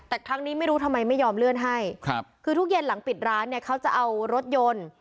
แต่ครั้งนี้ไม่รู้ทำไมไม่ยอมเลื่อนให้ครับคือทุกเย็นหลังปิดร้านเนี่ยเขาจะเอารถยนต์